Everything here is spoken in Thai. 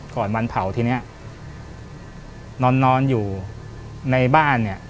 วันเผาทีเนี้ยนอนอยู่ในบ้านเนี่ย